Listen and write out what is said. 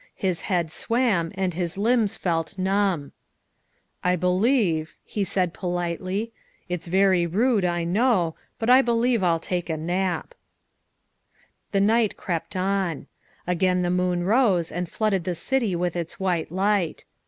His head swam and his limbs felt numb. '' I believe, '' he said politely, " it 's very rude, I know, but I believe I will take a nap." The night crept on. Again the moon rose and flooded the city with its white light.